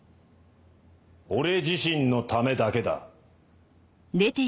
俺自身のためだけだ。